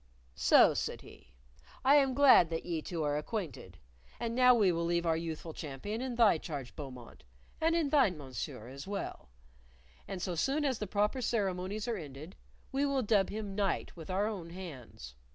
"So," said he, "I am glad that ye two are acquainted. And now we will leave our youthful champion in thy charge, Beaumont and in thine, Mon Sieur, as well and so soon as the proper ceremonies are ended, we will dub him knight with our own hands.